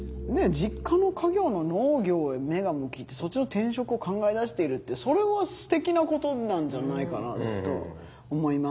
実家の家業の農業へ目が向きそっちの転職を考えだしているってそれはすてきなことなんじゃないかなと思いますけれども。